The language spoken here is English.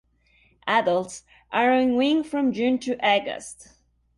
Adults are on wing from June to August.